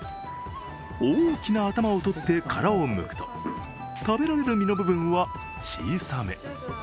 大きな頭をとって殻をむくと、食べられる身の部分は小さめ。